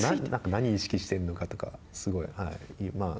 何を意識してんのかとかすごい、はい。